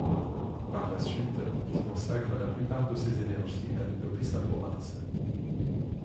Par la suite, il consacre la plupart de ses énergies à développer sa province.